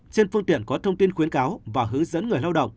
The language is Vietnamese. trên phương tiện có thông tin khuyến cáo và hướng dẫn người lao động